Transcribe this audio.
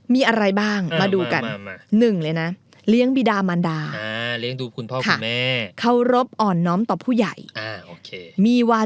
มาจัดใหญ่มา